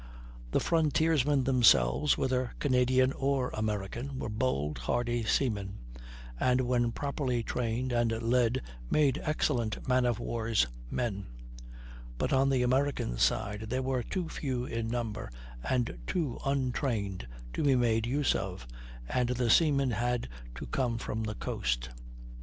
The frontiersmen themselves, whether Canadian or American, were bold, hardy seamen, and when properly trained and led made excellent man of war's men; but on the American side they were too few in number, and too untrained to be made use of, and the seamen had to come from the coast.